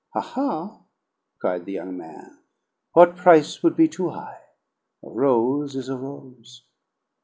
Ha, ha!" cried the young man. "What price would be too high? A rose is a rose!